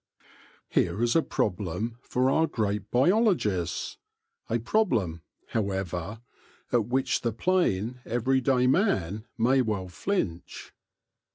Here is a problem for our great biologists — a problem, however, at which the plain, every day man may well flinch.